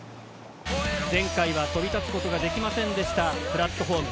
前回は飛び立つことができませんでしたプラットホーム。